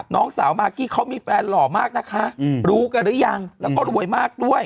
น้องสาวมากกี้เขามีแฟนหล่อมากนะคะรู้กันหรือยังแล้วก็รวยมากด้วย